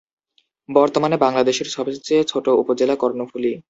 বর্তমানে বাংলাদেশের সবচেয়ে ছোট উপজেলা কর্ণফুলী।